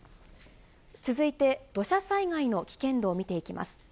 続いて、土砂災害の危険度を見ていきます。